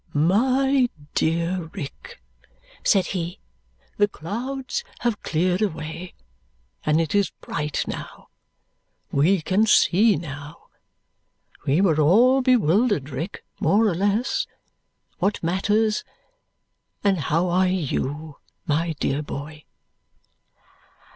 "My dear Rick," said he, "the clouds have cleared away, and it is bright now. We can see now. We were all bewildered, Rick, more or less. What matters! And how are you, my dear boy?"